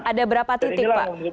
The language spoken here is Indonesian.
ada berapa titik pak